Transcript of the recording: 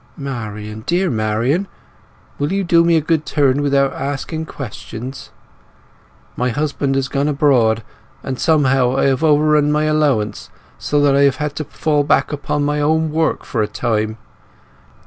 "Marian, dear Marian, will you do me a good turn without asking questions? My husband has gone abroad, and somehow I have overrun my allowance, so that I have to fall back upon my old work for a time.